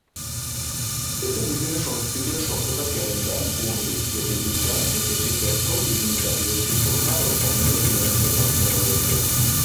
এতে বিভিন্ন সংস্কৃতি ও সভ্যতার ক্যালেন্ডার, গণিত, জ্যোতির্বিজ্ঞান, ঐতিহাসিক তথ্য, বিভিন্ন জাতিগোষ্ঠীর প্রথা ও ধর্ম নিয়ে তুলনামূলক আলোচনা রয়েছে।